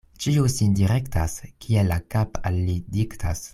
Ĉiu sin direktas, kiel la kap' al li diktas.